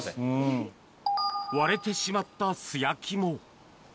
割れてしまった素焼きも。